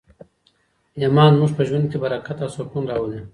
ایمان زموږ په ژوند کي برکت او سکون راولي.